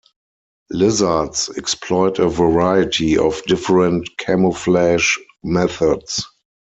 Lizards exploit a variety of different camouflage methods.